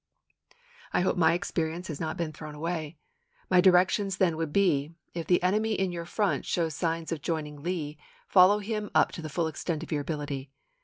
I hope my experience has not been thrown away. My directions then would be, if the enemy in your front shows signs of joining Lee follow him up to the full extent of your ability.